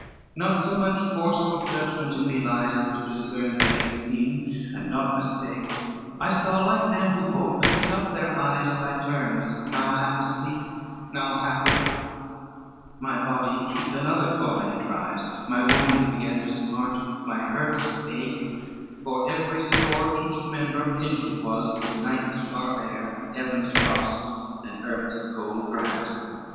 XXVI "Not so much force or judgement in me lies As to discern things seen and not mistake, I saw like them who ope and shut their eyes By turns, now half asleep, now half awake; My body eke another torment tries, My wounds began to smart, my hurts to ache; For every sore each member pinched was With night's sharp air, heaven's frost and earth's cold grass.